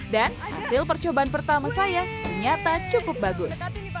dan hasil percobaan pertama saya ternyata cukup bagus